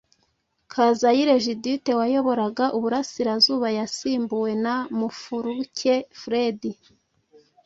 Kazayire Judith wayoboraga Uburasirazuba yasimbuwe na Mufulukye Fred